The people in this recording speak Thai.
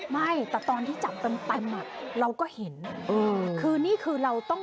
ไม่แต่ตอนที่จับเต็มอ่ะเราก็เห็นคือนี่คือเราต้อง